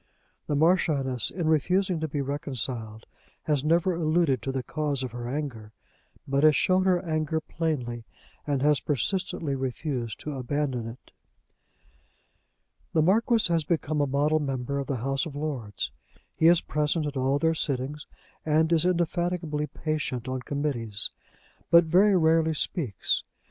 The Marchioness, in refusing to be reconciled, has never alluded to the cause of her anger, but has shown her anger plainly and has persistently refused to abandon it. The Marquis has become a model member of the House of Lords. He is present at all their sittings, and is indefatigably patient on Committees, but very rarely speaks.